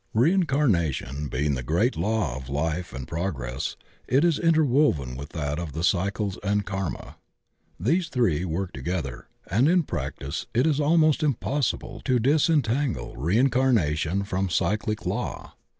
Reincarnation being the great law of Ufe and prog ress, it is interwoven with that of the cycles and karma. These three work together, and in practice it is almost impossible to disentangle reincarnation from cyclic law.